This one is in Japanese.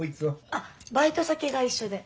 あっバイト先が一緒で。